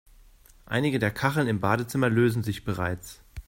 Einige der Kacheln im Badezimmer lösen sich bereits.